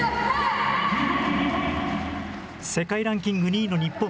世界ランキング２位の日本。